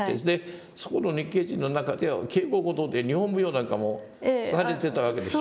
そこの日系人の中では稽古事で日本舞踊なんかもされてたわけでしょ？